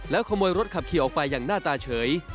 ขโมยรถขับขี่ออกไปอย่างหน้าตาเฉย